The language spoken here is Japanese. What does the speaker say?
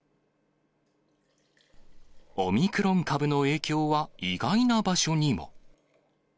オミクロン株の影響は意外な場所にも。